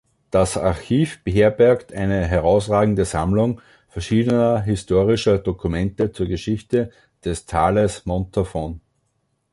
Das Archiv beherbergt eine herausragende Sammlung verschiedener historischer Dokumente zur Geschichte des Tales Montafon.